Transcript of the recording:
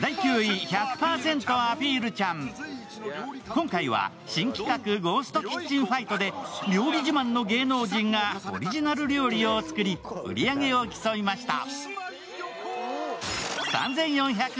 今回は新企画ゴーストキッチンファイトで料理自慢の芸能人がオリジナル料理を作り、売り上げを競いました。